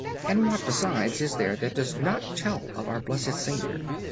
And what besides is there that does not tell of our Blessed SAVIOUR?